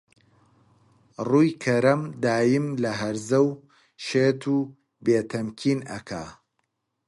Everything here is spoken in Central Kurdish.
ڕووی کەرەم دایم لە هەرزە و شێت و بێ تەمکین ئەکا